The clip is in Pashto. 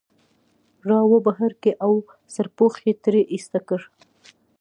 را وبهر کړ او سرپوښ یې ترې ایسته کړ.